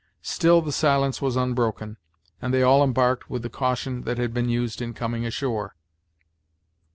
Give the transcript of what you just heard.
Still the silence was unbroken, and they all embarked with the caution that had been used in coming ashore.